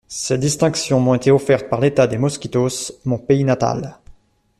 Ces distinctions m’ont été offertes par l’État de Mosquitos, mon pays natal…